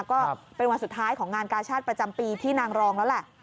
ก็เป็นวันสุดท้ายของงานกาชาติประจำปีที่นางรองแล้วแหละ